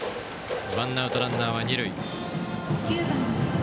ワンアウト、ランナーは二塁。